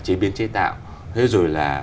chế biến chế tạo thế rồi là